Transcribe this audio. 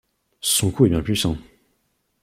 Son cou est bien puissant.